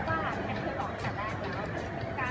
มันเป็นสิ่งที่จะให้ทุกคนรู้สึกว่า